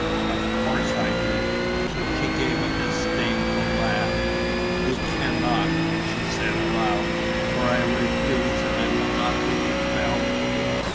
"Of course I do!" She gave a disdainful laugh: "You can not," she said, aloud. "For I refuse and I will not be compelled."